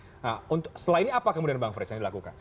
setelah ini apa kemudian bang frits yang dilakukan